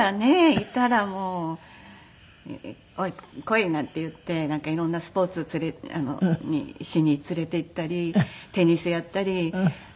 いたらもう「おい来い！」なんて言ってなんか色んなスポーツしに連れて行ったりテニスやったりなんだろう。